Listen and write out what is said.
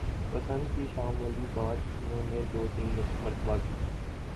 پسند کی شام والی بات انہوں نے دو تین مرتبہ کہی۔